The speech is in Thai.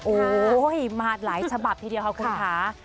โอ้โหมาหลายฉบับทีเดียวค่ะคุณค่ะ